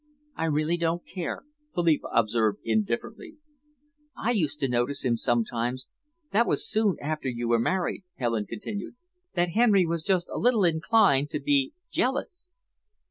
"I really don't care," Philippa observed indifferently. "I used to notice sometimes that was soon after you were married," Helen continued, "that Henry was just a little inclined to be jealous."